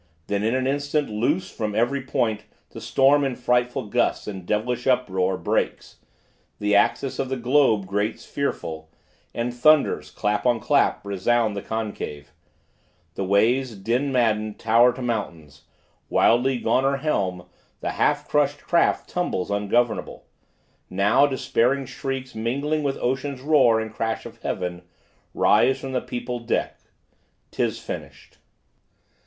Then, in an instant, loose from every point The storm, in frightful gusts and devilish uproar Breaks; the axis of the globe grates fearful, And thunders, clap on clap, resound the concave: The waves, din maddened, tower to mountains. Wildly, gone her helm, the half crushed craft Tumbles ungovernable. Now despairing shrieks Mingling with ocean's roar and crash of heaven, Rise from the peopled deck: 'tis finished!